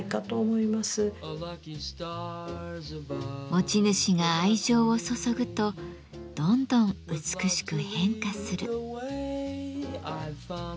持ち主が愛情を注ぐとどんどん美しく変化する。